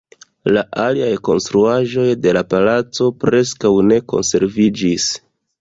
La aliaj konstruaĵoj de la palaco preskaŭ ne konserviĝis.